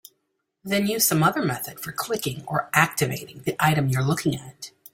Then use some other method for clicking or "activating" the item you're looking at.